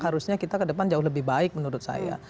harusnya kita ke depan jauh lebih baik menurut saya